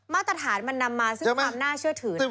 มาตรฐานมันนำมาซึ่งความน่าเชื่อถือ